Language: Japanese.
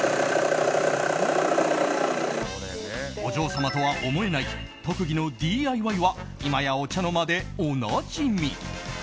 お嬢様とは思えない特技のＤＩＹは今やお茶の間でおなじみ。